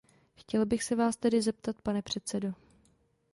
Chtěl bych se vás tedy zeptat, pane předsedo.